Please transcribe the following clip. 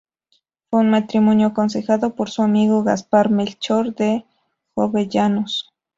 Fue un matrimonio aconsejado por su amigo Gaspar-Melchor de Jovellanos.